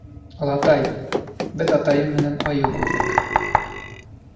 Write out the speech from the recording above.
— Олатай, беҙ атайым менән айыу күрҙек!